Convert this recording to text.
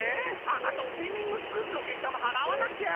あっあとスイミングスクールのげっしゃもはらわなきゃ！